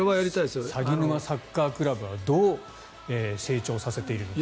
さぎぬまサッカークラブはどう成長させているのか。